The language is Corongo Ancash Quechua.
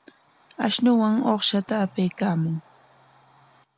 Ashunuwan uqshata apaykaamun.